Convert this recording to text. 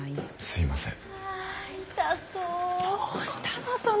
すいません。